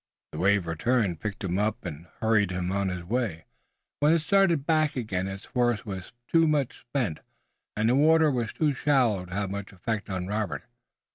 The wave returned, picked him up, and hurried him on his way. When it started back again its force was too much spent and the water was too shallow to have much effect on Robert.